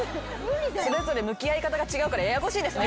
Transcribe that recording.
それぞれ向き合い方が違うからややこしいですね